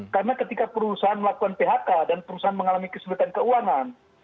karena ketika perusahaan melakukan phk dan perusahaan mengalami kesulitan keuangan